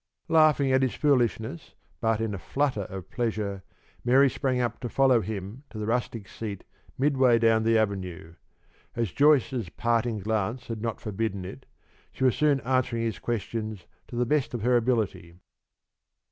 Laughing at his foolishness, but in a flutter of pleasure, Mary sprang up to follow him to the rustic seat midway down the avenue. As Joyce's parting glance had not forbidden it, she was soon answering his questions to the best of her ability.